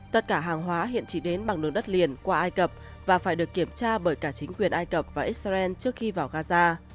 tất cả hàng hóa hiện chỉ đến bằng đường đất liền qua ai cập và phải được kiểm tra bởi cả chính quyền ai cập và israel trước khi vào gaza